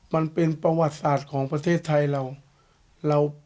มันเป็นประวัติศาสตร์ของประเทศไทยเรา